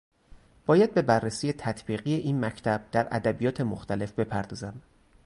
باید به بررسی تطبیقی این مکتب در ادبیات مختلف بپردازیم